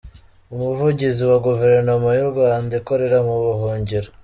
Umuvugizi wa Guverinoma y’u Rwanda ikorera mu buhungiro.